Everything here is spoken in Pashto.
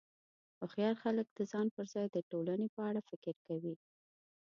هوښیار خلک د ځان پر ځای د ټولنې په اړه فکر کوي.